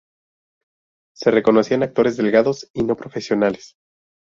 Se reconocían actores delgados y no profesionales.